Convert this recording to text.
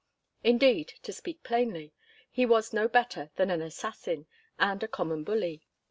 Indeed, to speak plainly, he was no better than an assassin and a common bully.